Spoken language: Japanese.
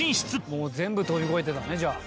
「もう全部飛び越えてたのねじゃあ」